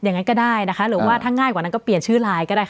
อย่างนั้นก็ได้นะคะหรือว่าถ้าง่ายกว่านั้นก็เปลี่ยนชื่อไลน์ก็ได้ค่ะ